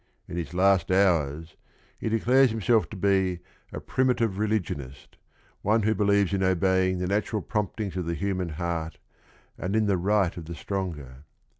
In his_ last hours he declares hims elf to be a "prim itive religionist — one who believes in obeying the natural promptings of the human heart, and in the right of the stronger.